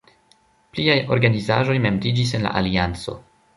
Pliaj organizaĵoj membriĝis en la alianco.